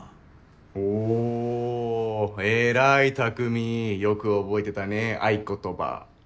おぉ偉い匠よく覚えてたね合言葉。